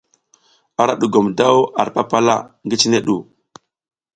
Ara dugum daw ar papala ngi cine ɗu.